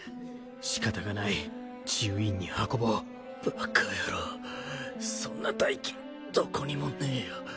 仕方がない治癒院に運ぼうバカ野郎そんな大金どこにもねえよ